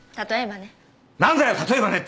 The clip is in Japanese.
例えばね。